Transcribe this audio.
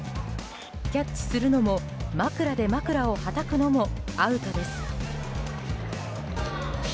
キャッチするのも枕で枕をはたくのもアウトです。